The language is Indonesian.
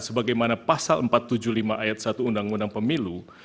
sebagaimana pasal empat ratus tujuh puluh lima ayat satu undang undang pemilu